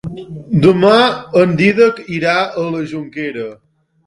Demà en Dídac irà a la Jonquera.